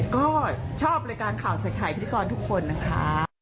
ก็ชอบรายการข่าวใส่ไข่พิธีกรทุกคนนะคะ